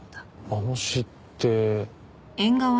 あの詩って。